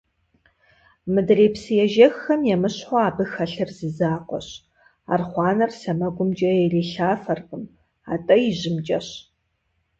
Мыдрей псы ежэххэм емыщхьу абы хэлъыр зы закъуэщ – архъуанэр сэмэгумкӏэ ирилъафэркъым, атӏэ ижьымкӏэщ!